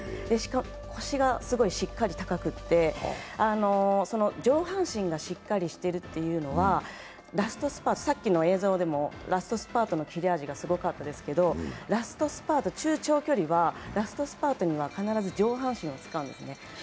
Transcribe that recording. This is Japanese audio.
腰がすごいしっかり高くて、上半身がしっかりしているというのは、さっきの映像でもラストスパートの切れ味がすごかったですけど中長距離はラストスパートには必ず上半身を使うんですね。